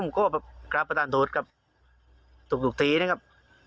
ขอบพระคุณครับ